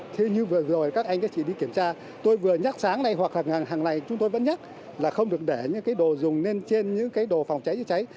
thế như vừa rồi các anh chị đi kiểm tra tôi vừa nhắc sáng nay hoặc là hàng này chúng tôi vẫn nhắc là không được để những đồ dùng lên trên những đồ phòng cháy cháy cháy